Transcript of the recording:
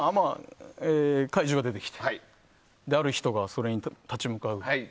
怪獣が出てきてある人がそれに立ち向かう。